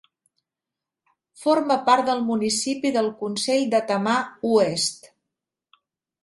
Forma part del municipi del Consell de Tamar Oest.